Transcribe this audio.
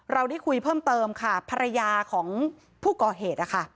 เราได้คุยเพิ่มเติมค่ะภรรยาของผู้ก่อเหตุนะคะ